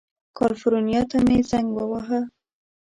کلیفورنیا ته مې زنګ ووهه.